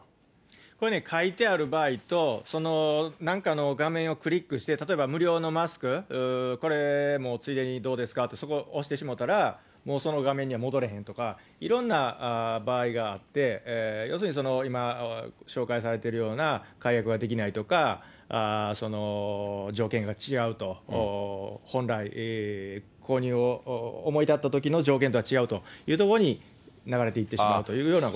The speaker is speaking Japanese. これね、書いてある場合と、なんかの画面をクリックして、例えば無料のマスク、これもついでにどうですかって、押してしまったら、もうその画面には戻れないとか、いろんな場合があって、要するに、今、紹介されているような、解約ができないとか、条件が違うと、本来、購入を思いたったときの条件とは違うというところに流れていってしまうというようなこと。